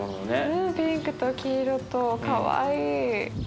うんピンクと黄色とかわいい。